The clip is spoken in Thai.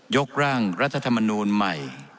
กร่างรัฐธรรมนูลใหม่